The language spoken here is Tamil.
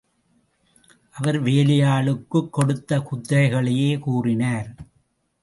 அவர் வேலையாளுக்குக் கொடுத்த குத்துகளையே கூறினார்.